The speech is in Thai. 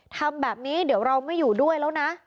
ทำแบบนี้เดี๋ยวเราไม่อยู่ด้วยแล้วนะ